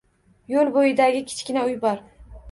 Yoʻl boʻyidagi kichkina uy bor.